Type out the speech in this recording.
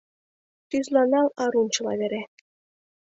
Тӱзланал арун чыла вере.